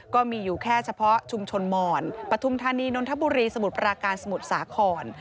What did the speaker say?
ก็มีอยู่แค่เฉพาะชุมชนหมอนปฐุมธานีนนทบุรีสมุทรปราการสมุทรสาคร